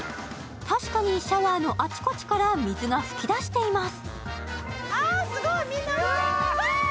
確かにシャワーのあちこちから水が噴き出しています。